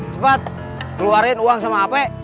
cepat keluarin uang sama hp